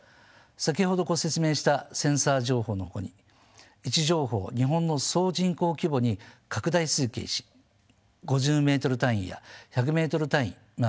先ほどご説明したセンサー情報のほかに位置情報を日本の総人口規模に拡大推計し５０ｍ単位や１００ｍ単位メッシュの単位ですね。